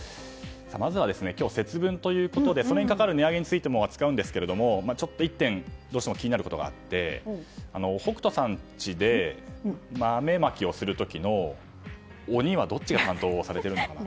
まずは今日節分ということでそれに関わる値上げについても扱うんですが一点、どうしても気になるところがあって北斗さんの家で豆まきをする時の鬼はどっちが担当されているのかと。